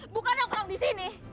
bukan yang kelam di sini